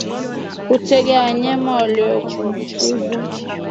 Kutenga wanyama walioambukizwa